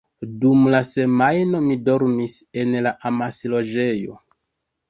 Dum la semajno, mi dormis en la “amas-loĝejo”.